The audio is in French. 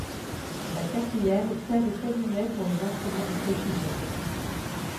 La quatrième sert de cabinet pour les instruments de précision.